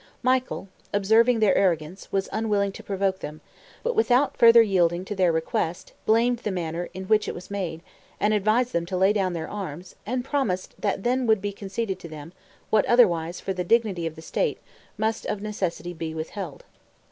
Michael, observing their arrogance, was unwilling to provoke them, but without further yielding to their request, blamed the manner in which it was made, advised them to lay down their arms, and promised that then would be conceded to them, what otherwise, for the dignity of the state, must of necessity be withheld.